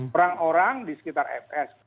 orang orang di sekitar fs